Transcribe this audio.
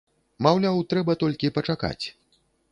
Маўляў, трэба толькі пачакаць.